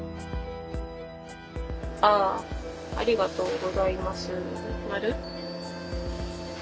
あありがとうございますマル。